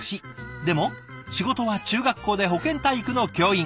でも仕事は中学校で保健体育の教員。